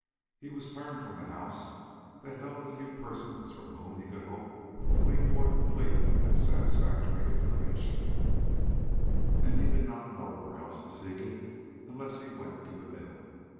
He was turned from the house that held the few persons from whom he could hope to glean more complete and satisfactory information, and he did not know where else to seek it unless he went to the mill.